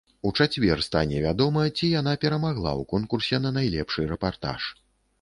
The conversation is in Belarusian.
У чацвер стане вядома, ці яна перамагла ў конкурсе на найлепшы рэпартаж.